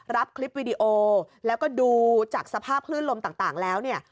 รับคลิปวิดีโอแล้วก็ดูจากสภาพคลื่นลมต่างแล้วเนี่ย